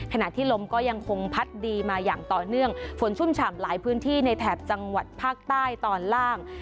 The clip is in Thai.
ขณะที่ลมก็ยังคงพัดดีมาอย่างต่อเนื่องฝนชุ่มฉ่ำหลายพื้นที่ในแถบจังหวัดภาคใต้ตอนล่าง